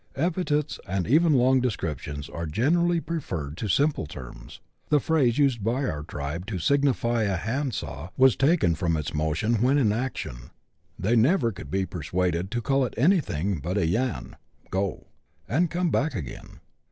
Epitliets, and even long descriptions, are generally preferred to simple terms. The phrase used by our tribe to signify a handsaw was taken from its motion when in action ; they never could be persuaded to call it anything but a " yan " (go) '' and come back again."